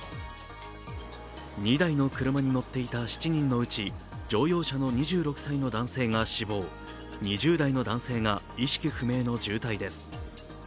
２台の車に乗っていた７人のうち乗用車の２６歳の男性が死亡、２０代の男性が意識不明の重体です。